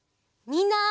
みんな！